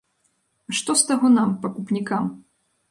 А што з таго нам, пакупнікам?